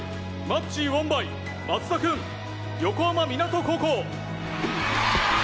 マッチウォンバイ松田君横浜湊高校。